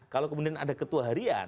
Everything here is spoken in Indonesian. kalau kemudian ada ketua harian